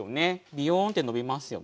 ビヨーンってのびますよね。